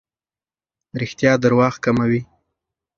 رښتیا درواغ کموي.